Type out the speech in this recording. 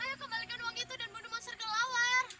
ayo kembalikan uang itu dan bunuh monster kelawar